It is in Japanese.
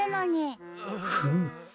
フム。